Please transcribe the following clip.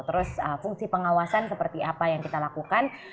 terus fungsi pengawasan seperti apa yang kita lakukan